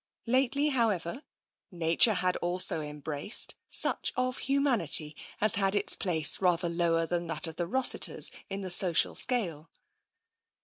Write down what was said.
Lately, however. Nature had also embraced such of humanity as had its place rather lower than that of the Rossiters in the social scale.